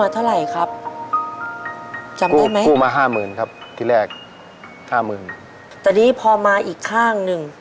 แต่นี่พอมาอีกข้างหนึ่ง